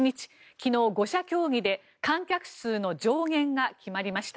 昨日、５者協議で観客数の上限が決まりました。